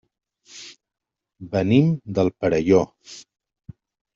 Venim del Perelló.